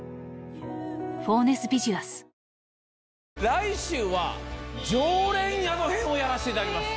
来週は常連宿編をやらせていただきます。